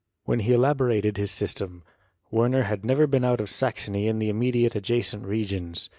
When he elaborated his system, Werner had never been out of Saxony and the immediately adjacent regions.